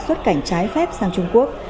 xuất cảnh trái phép sang trung quốc